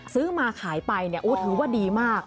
ซื้อมาขายไปเนี่ยโอ้ถือว่าดีมาก